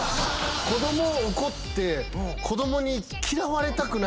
子供を怒って子供に嫌われたくないというか。